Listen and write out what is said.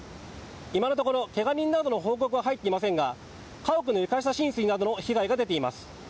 今のところけが人などの報告は入っていませんが家屋の床下浸水などの被害が出ています。